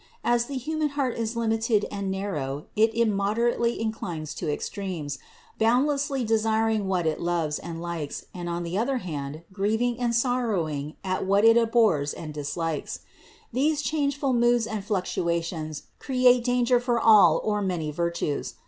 As the human heart is limited and narrow it immoderately inclines to extremes, bound lessly desiring what it loves and likes, and, on the other hand, grieving and sorrowing at what it abhors and dis likes. These changeful moods and fluctuations create danger for all or many virtues.